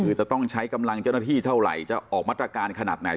คือจะต้องใช้กำลังเจ้าหน้าที่เท่าไหร่จะออกมาตรการขนาดไหน